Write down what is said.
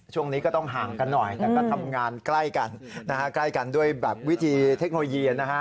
ช่วงนี้ก็ต้องห่างกันหน่อยแต่ก็ทำงานใกล้กันนะฮะใกล้กันด้วยแบบวิธีเทคโนโลยีนะฮะ